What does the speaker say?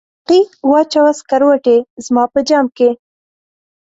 ساقي واچوه سکروټي زما په جام کې